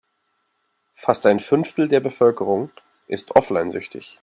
Fast ein Fünftel der Bevölkerung ist offline-süchtig.